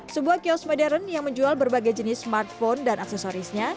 sebuah kios modern yang menjual berbagai jenis smartphone dan aksesorisnya